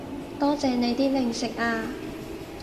多謝你啲零食啊